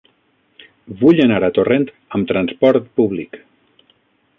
Vull anar a Torrent amb trasport públic.